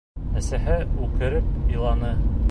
Әсәһе үкереп иланы.